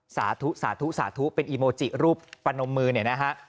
สาธุสาธุสาธุเป็นอีโมจิรูปประนมมือเนี่ยนะฮะ